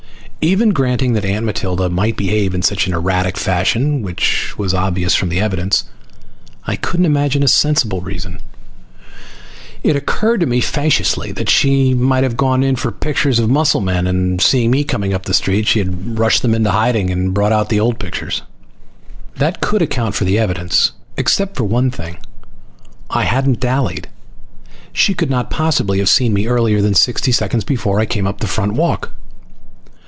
Even granting that Aunt Matilda might behave in such an erratic fashion (which was obvious from the evidence), I couldn't imagine a sensible reason. It occurred to me, facetiously, that she might have gone in for pictures of musclemen, and, seeing me coming up the street, she had rushed them into hiding and brought out the old pictures. That could account for the evidence except for one thing. I hadn't dallied. She could not possibly have seen me earlier than sixty seconds before I came up the front walk.